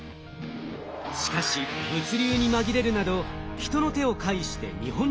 しかし物流にまぎれるなど人の手を介して日本に上陸。